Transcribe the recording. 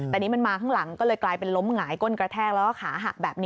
แต่นี่มันมาข้างหลังก็เลยกลายเป็นล้มหงายก้นกระแทกแล้วก็ขาหักแบบนี้